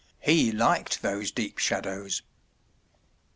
He liked those deep shadows.